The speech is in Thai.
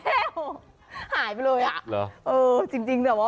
ใช่เปิดคงไปแล้วหายไปเลยอ่ะเออจริงแต่ว่าน่ารัก